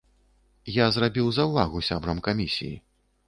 Я зрабіў заўвагу сябрам камісіі.